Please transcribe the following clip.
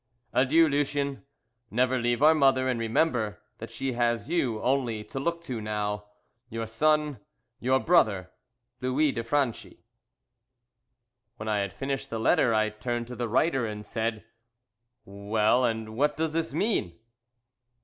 "Adieu, Lucien! Never leave our mother; and remember that she has you only to look to now. "Your Son, "Your Brother, "LOUIS DE FRANCHI." When I had finished the letter I turned to the writer and said "Well, and what does this mean?"